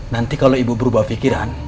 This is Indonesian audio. nanti kalau ibu berubah pikiran